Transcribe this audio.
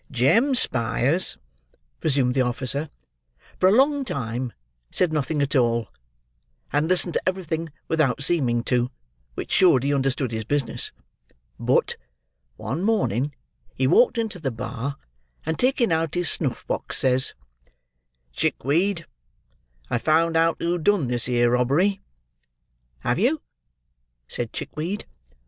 "Jem Spyers," resumed the officer, "for a long time said nothing at all, and listened to everything without seeming to, which showed he understood his business. But, one morning, he walked into the bar, and taking out his snuffbox, says 'Chickweed, I've found out who done this here robbery.' 'Have you?' said Chickweed.